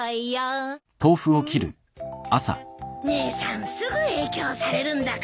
姉さんすぐ影響されるんだから。